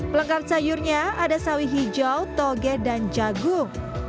pelengkap sayurnya ada sawi hijau toge dan jagung